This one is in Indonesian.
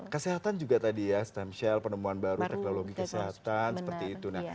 kesehatan juga tadi ya stem cell penemuan baru teknologi kesehatan seperti itu